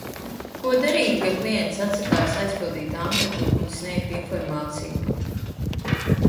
Ko darīt, ja klients atsakās aizpildīt anketu un sniegt informāciju?